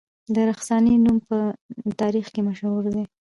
د رخسانې نوم په تاریخ کې مشهور دی